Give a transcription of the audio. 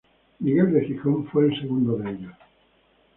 Miguel de Gijón fue el segundo de ellos.